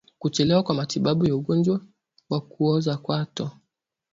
Kuchelewa kwa matibabu ya ugonjwa wa kuoza kwato